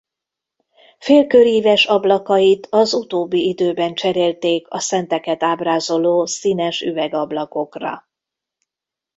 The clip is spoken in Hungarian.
Félköríves ablakait az utóbbi időben cserélték a szenteket ábrázoló színes üvegablakokra.